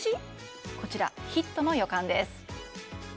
こちら、ヒットの予感です。